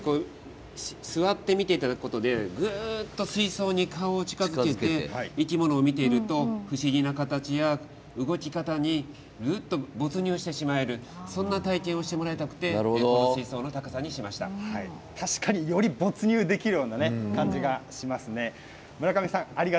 座って見ていただくことでぐっと水槽に、顔を近づけて生き物を見ていると不思議な形や動き方に没入してしまえる、そんな体験をしてもらいたくて確かに没入できるような感じがしますね。